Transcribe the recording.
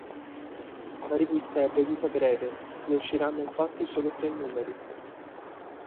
La rivista ebbe vita breve: ne usciranno infatti solo tre numeri.